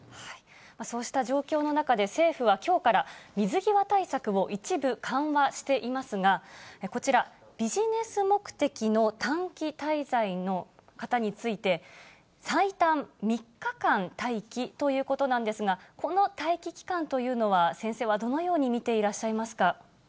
そうした状況の中で、政府はきょうから、水際対策を一部緩和していますが、こちら、ビジネス目的の短期滞在の方について、最短３日間待機ということなんですが、この待期期間というのは、先生はどのように見ていらっしゃいますか。